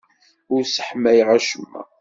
Ur sseḥmayeɣ acemma.